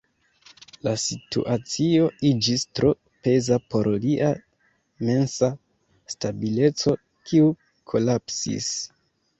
La situacio iĝis tro peza por lia mensa stabileco, kiu kolapsis.